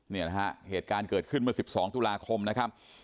เนี่ยนะฮะเหตุการณ์เกิดขึ้นเมื่อ๑๒ตุลาคมนะครับ